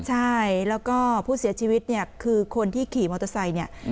ใช่แล้วก็ผู้เสียชีวิตเนี่ยคือคนที่ขี่มอเตอร์ไซค์เนี่ย